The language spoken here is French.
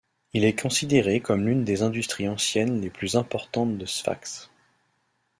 Il est considéré comme l'une des industries anciennes les plus importantes de Sfax.